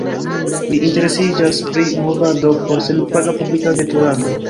Li interesiĝas pri Movado por senpaga publika veturado.